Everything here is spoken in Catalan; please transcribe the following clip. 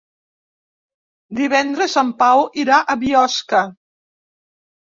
Divendres en Pau irà a Biosca.